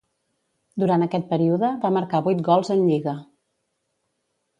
Durant aquest període va marcar vuit gols en Lliga.